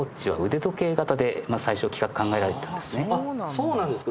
そうなんですか。